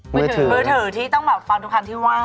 มือถือที่ต้องแบบฟังทุกครั้งที่ว่า